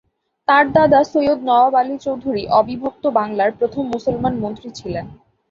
তার দাদা সৈয়দ নওয়াব আলী চৌধুরী অবিভক্ত বাংলার প্রথম মুসলমান মন্ত্রী ছিলেন।